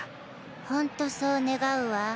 ホントそう願うわ。